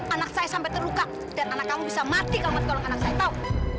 anak saya sampai terluka dan anak kamu bisa mati kalau mati kalau anak saya tahu